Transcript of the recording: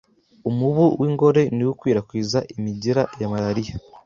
Umubu w'ingore niwo ukwiragiza imigera ya malaria